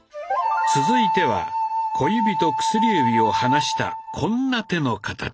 続いては小指と薬指を離したこんな手の形。